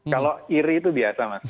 kalau iri itu biasa mas